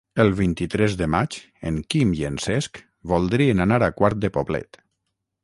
El vint-i-tres de maig en Quim i en Cesc voldrien anar a Quart de Poblet.